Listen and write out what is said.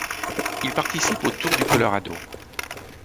Il participe au Tour du Colorado.